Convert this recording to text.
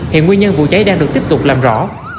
hiện nguyên nhân vụ cháy đang được tiếp tục làm rõ